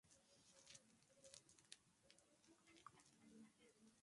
Antes eliminó a Juan Mónaco, Alejandro Falla y Pere Riba.